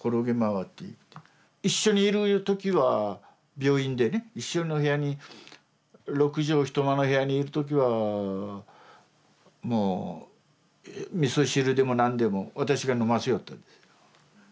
一緒にいる時は病院でね一緒の部屋に六畳一間の部屋にいる時はもうみそ汁でも何でも私が飲ませよったんです。